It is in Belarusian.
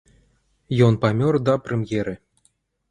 Ён памёр да прэм'еры.